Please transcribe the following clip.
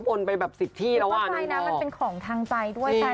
แบบว่านะฮะเป็นของทางใจด้วยใช่